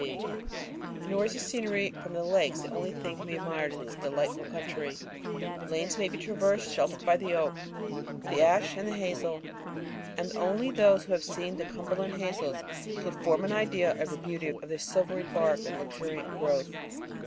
C. B. Nor is the scenery from the Lakes the only thing to be admired in this delightful country. Lanes may be traversed sheltered by the oak, the ash, and the hazel, and only those who have seen the Cumberland hazels can form an idea of the beauty of their silvery bark and luxuriant growth.